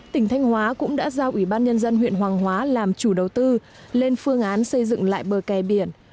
tỉnh thanh hóa cũng đã giao ủy ban nhân dân huyện hoàng hóa làm chủ đầu tư lên phương án xây dựng lại bờ kè biển